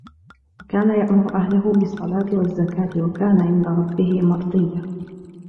وَكَانَ يَأْمُرُ أَهْلَهُ بِالصَّلَاةِ وَالزَّكَاةِ وَكَانَ عِنْدَ رَبِّهِ مَرْضِيًّا